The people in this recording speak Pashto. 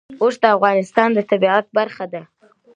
اوښ د افغانستان د طبیعت برخه ده.